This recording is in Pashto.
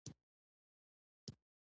یوازې سرکښان او د شیطان په څیر ناامیده